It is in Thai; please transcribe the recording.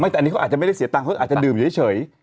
แต่อันนี้เขาอาจจะไม่ได้เสียตังค์เขาอาจจะดื่มอยู่เฉย